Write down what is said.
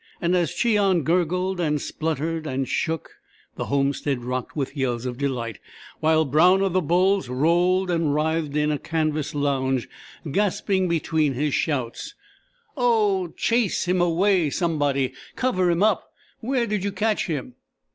And as Cheon gurgled, and spluttered, and shook, the homestead rocked with yells of delight, while Brown of the Bulls rolled and writhed in a canvas lounge, gasping between his shouts: "Oh, chase him away, somebody; cover him up. Where did you catch him?"